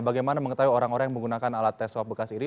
bagaimana mengetahui orang orang yang menggunakan alat tes swab bekas ini